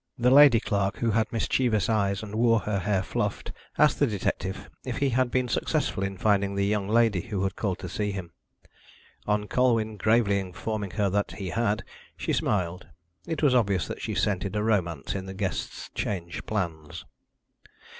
The lady clerk, who had mischievous eyes and wore her hair fluffed, asked the detective if he had been successful in finding the young lady who had called to see him. On Colwyn gravely informing her that he had, she smiled. It was obvious that she scented a romance in the guest's changed plans.